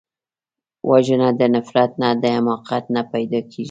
وژنه د نفرت نه، د حماقت نه پیدا کېږي